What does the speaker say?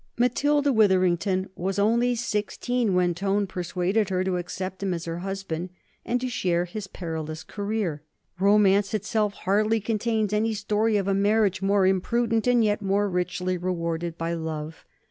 Matilda Witherington was only sixteen when Tone persuaded her to accept him as her husband and to share his perilous career. Romance itself hardly contains any story of a marriage more imprudent and yet more richly rewarded by love.